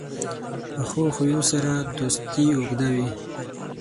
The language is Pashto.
پخو خویو سره دوستي اوږده وي